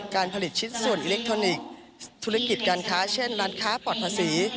การผลิตชิ้นส่วนอิเล็กทรอนิกส์ธุรกิจการค้าเช่นร้านค้าปลอดภาษี